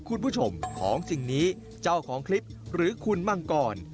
คุณผู้ชมของสิ่งนี้เจ้าของคลิปหรือคุณมังกร